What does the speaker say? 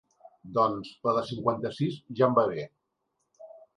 Doncs la de cinquanta-sis ja em va bé.